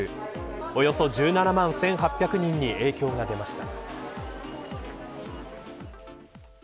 およそ１７万１８００人に影響が出ました。